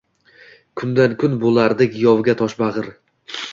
Kundan-kun boʻlardik yovga toshbagʻir